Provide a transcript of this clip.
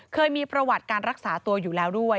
เคยมีประวัติการรักษาตัวอยู่แล้วด้วย